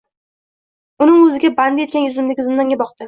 Uni o’zida bandi etgan yuzimdagi zindonga boqdi